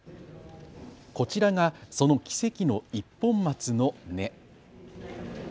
こちらが、その奇跡の一本松の根。